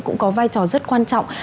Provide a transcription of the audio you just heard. cũng có vai trò rất quan trọng